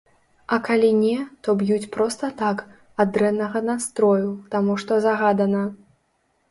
А калі не, то б'юць проста так, ад дрэннага настрою, таму што загадана.